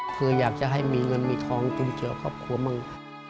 คืออยากจะให้มีเงินมีทองจุนเจือครอบครัวมั่ง